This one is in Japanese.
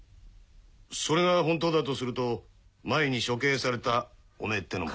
それが本当だとすると前に処刑されたおめぇってのも。